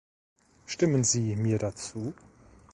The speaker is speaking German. Stimmen Sie mir da zu?